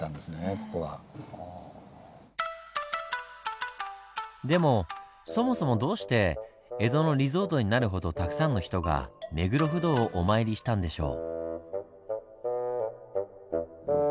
ここ。でもそもそもどうして江戸のリゾートになるほどたくさんの人が目黒不動をお参りしたんでしょう？